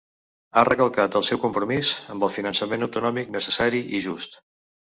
Ha recalcat el seu compromís amb el finançament autonòmic necessari i just.